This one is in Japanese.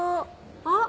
あっ！